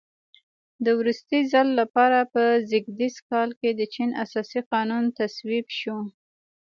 د وروستي ځل لپاره په زېږدیز کال کې د چین اساسي قانون تصویب شو.